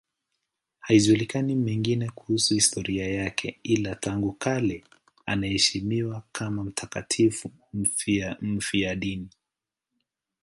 Hayajulikani mengine kuhusu historia yake, ila tangu kale anaheshimiwa kama mtakatifu mfiadini.